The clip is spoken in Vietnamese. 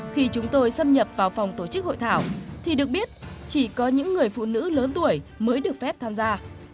khi chúng tôi xâm nhập vào phòng tổ chức hội thảo thì được biết chỉ có những người phụ nữ lớn tuổi mới được phép tham gia